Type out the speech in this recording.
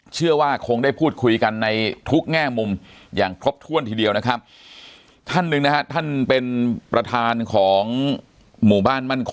เชื่อว่าคงได้พูดคุยกันในทุกแง่มุมอย่างครบถ้วนทีเดียวนะครับ